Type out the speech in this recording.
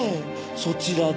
そちらで。